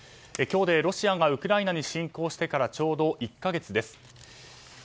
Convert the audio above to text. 今日でロシアがウクライナに侵攻してからちょうど１か月です。